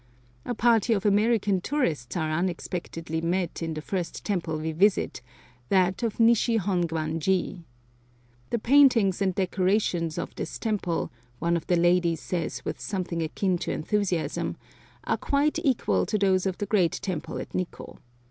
A party of American tourists are unexpectedly met in the first temple we visit, that of Nishi Hon gwan ji. The paintings and decorations of this temple, one of the ladies says with something akin to enthusiasm, are quite equal to those of the great temple at Nikko.